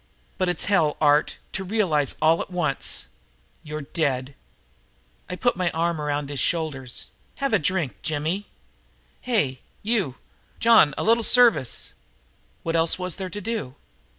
"But it's hell, Art, to realize all at once you're dead!" I put my arm around his shoulders. "Have a drink, Jimmy. Hey you, John, a little service!" What else was there to do?